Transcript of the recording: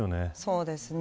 そうですね。